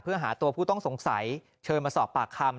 เพื่อหาตัวผู้ต้องสงสัยเชิญมาสอบปากคำ